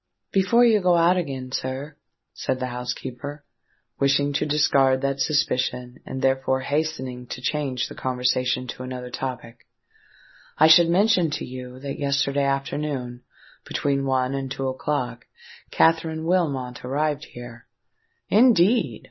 "Before you go out again, sir," said the housekeeper, wishing to discard that suspicion, and therefore hastening to change the conversation to another topic, "I should mention to you that yesterday afternoon—between one and two o'clock—Katherine Wilmot arrived here——" "Indeed!